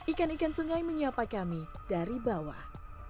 ikan ikan sungai menyapa kami dari bawah